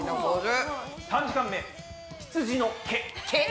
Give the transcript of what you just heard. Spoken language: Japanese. ３時間目「ひつじの毛」。毛！